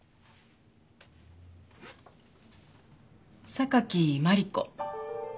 「榊マリコ」。